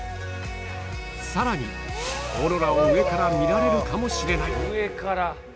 さらに、オーロラを上から見られるかもしれない。